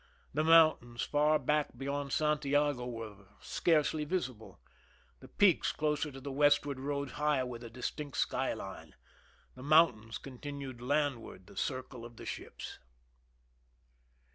The mountains far back beyond Santiago were scarcely visible ; the peaks closer to the westward rose high with a distinct sky line. The mountains continued landward the circle of the ships.